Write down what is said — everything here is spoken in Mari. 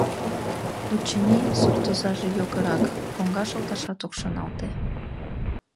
Очыни, суртозаже йогырак, коҥгаш олташат ок шоналте.